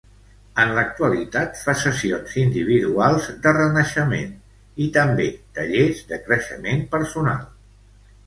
En l'actualitat fa sessions individuals de renaixement i també tallers de creixement personal.